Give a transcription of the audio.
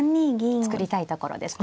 作りたいところですね。